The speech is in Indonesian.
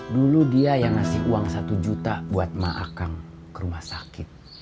dulu dia yang ngasih uang satu juta buat maakang ke rumah sakit